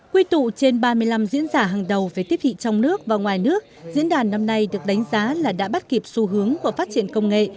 quy tụ trên ba mươi năm diễn giả hàng đầu về tiếp thị trong nước và ngoài nước diễn đàn năm nay được đánh giá là đã bắt kịp xu hướng của phát triển công nghệ